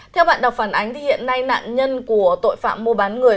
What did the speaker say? theo bạn đọc phản ánh hiện nay nạn nhân của tội phạm mua bán người